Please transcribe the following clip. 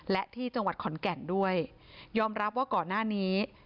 และที่จังหวัดขอนแก่นด้วยยอมรับว่าก่อนหน้านี้